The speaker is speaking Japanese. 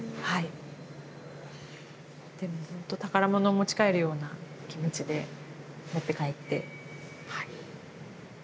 ほんと宝物を持ち帰るような気持ちで持って帰ってはい。